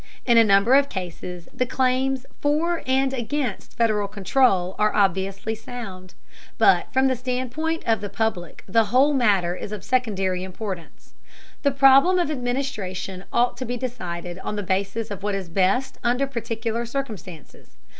In a number of cases the claims for and against Federal control are obviously sound. But from the standpoint of the public the whole matter is of secondary importance: the problem of administration ought to be decided on the basis of what is best under particular circumstances.